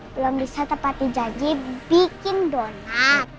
belum bisa tepatin janji bikin donat